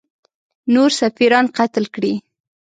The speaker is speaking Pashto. نور سفیران قتل کړي.